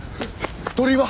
鳥居は？